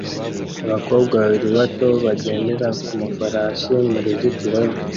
Abakobwa babiri bato bagendera ku mafarasi mu ruzitiro rwera